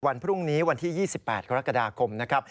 วันพรุ่งนี้วันที่๒๘กรกฎาคมนะครับ